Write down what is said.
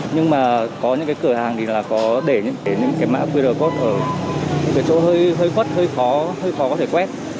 nhưng mà có những cái cửa hàng thì là có để những cái mã qr code những cái chỗ hơi quất hơi khó hơi khó có thể quét